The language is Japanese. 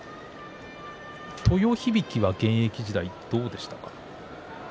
豊響は現役時代どうでしたか？